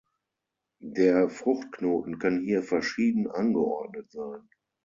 Der Fruchtknoten kann hier verschieden angeordnet sein.